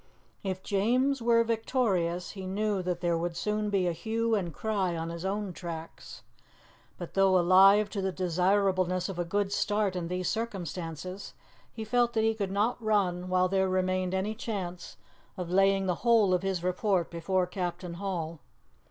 If James were victorious he knew that there would soon be a hue and cry on his own tracks; but though alive to the desirableness of a good start in these circumstances, he felt that he could not run while there remained any chance of laying the whole of his report before Captain Hall.